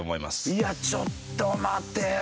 いやちょっと待てよ。